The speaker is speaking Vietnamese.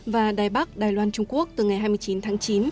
và đài bắc đài loan trung quốc từ ngày hai mươi chín tháng chín